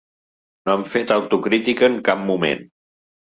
No han fet autocrítica en cap moment.